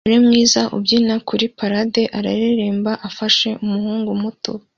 Umugore mwiza ubyina kuri parade areremba afashe umuhungu muto